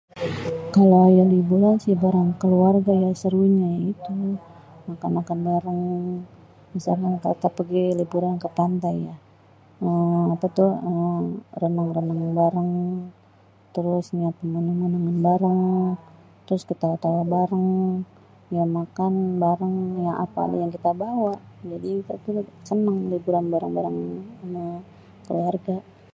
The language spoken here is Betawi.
Kalo yang dibawa sih bareng keluarga ya serunya itu makan-makan bareng. Misalnya kita pergi liburan ke pantai ya eee apa tuh eee renang-renang bareng. Terus ngeliat pemandangan bareng. Terus ketawa-tawa bareng. Ya makan bareng ya apa yang kita bawa. Jadi kita tuh seneng liburang bareng-bareng ama keluarga.